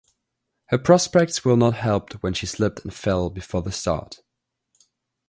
Her prospects were not helped when she slipped and fell before the start.